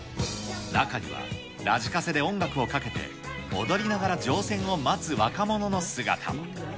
中にはラジカセで音楽をかけて、踊りながら乗船を待つ若者の姿も。